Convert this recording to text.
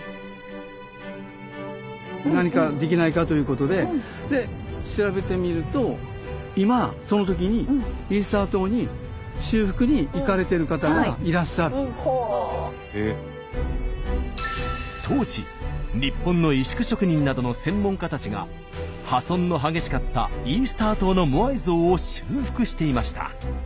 何かできないかということで調べてみると今当時日本の石工職人などの専門家たちが破損の激しかったイースター島のモアイ像を修復していました。